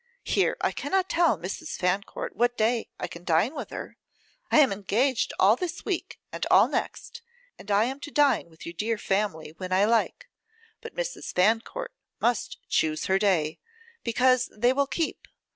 Here I cannot tell Mrs. Fancourt what day I can dine with her. I am engaged all this week and all next, and I am to dine with your dear family when I like. But Mrs. Fancourt must choose her day, because they will keep.